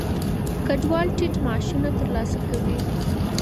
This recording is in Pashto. کډوال ټیټ معاشونه ترلاسه کوي.